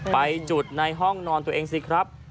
ไปจุดในห้องนอนตัวเองสิครับ